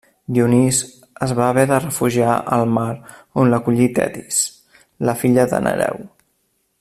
Dionís es va haver de refugiar al mar on l'acollí Tetis, la filla de Nereu.